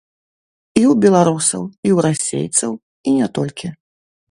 І ў беларусаў, і ў расейцаў, і не толькі.